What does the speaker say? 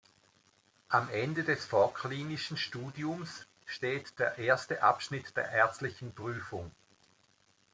Am Ende des vorklinischen Studiums steht der Erste Abschnitt der Ärztlichen Prüfung.